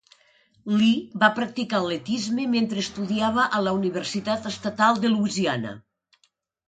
Lee va practicar atletisme mentre estudiava a la Universitat Estatal de Louisiana.